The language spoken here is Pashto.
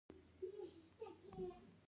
فزیکي موډل د کاغذ څخه جوړیږي.